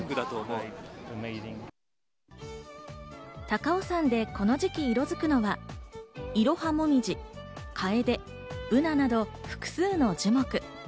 高尾山でこの時期、色づくのはイロハモミジ、カエデ、ブナなど複数の樹木。